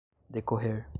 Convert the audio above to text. decorrer